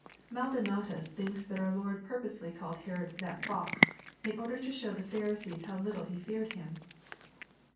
Maldonatus thinks that our Lord purposely called Herod that fox," in order to show the Pliixrisecis how Httle He feared Him.